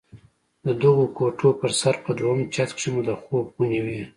د دغو کوټو پر سر په دويم چت کښې مو د خوب خونې وې.